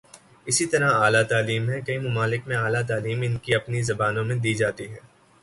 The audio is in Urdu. اسی طرح اعلی تعلیم ہے، کئی ممالک میںاعلی تعلیم ان کی اپنی زبانوں میں دی جاتی ہے۔